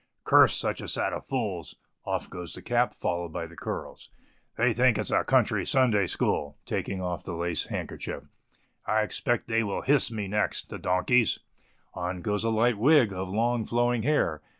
"Curse such a set of fools" (off goes the cap, followed by the curls). "They think it's a country Sunday school" (taking off the lace handkerchief). "I expect they will hiss me next, the donkeys" (on goes a light wig of long, flowing hair).